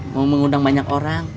mau mengundang banyak orang